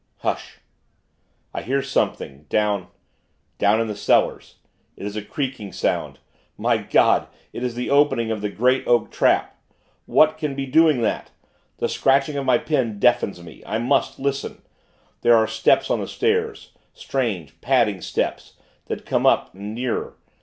"Hush! I hear something, down down in the cellars. It is a creaking sound. My God, it is the opening of the great, oak trap. What can be doing that? The scratching of my pen deafens me ... I must listen.... There are steps on the stairs; strange padding steps, that come up and nearer....